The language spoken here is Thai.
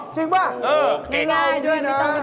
จริงบ้าง๊อ